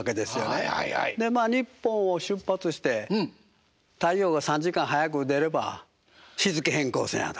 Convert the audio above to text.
まあ日本を出発して太陽が３時間早く出れば日付変更線やと。